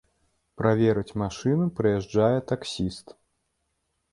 Праверыць машыну прыязджае таксіст.